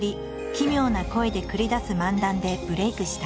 奇妙な声で繰り出す漫談でブレイクした。